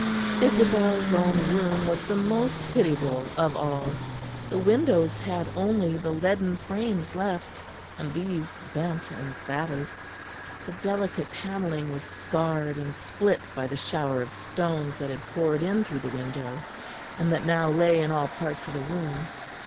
Isabel's own room was the most pitiable of all; the windows had only the leaden frames left, and those bent and battered; the delicate panelling was scarred and split by the shower of stones that had poured in through the window and that now lay in all parts of the room.